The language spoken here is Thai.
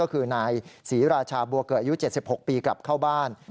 ก็คือนายศรีราชาบัวเกิดอายุ๗๖ปีกลับเข้าบ้าน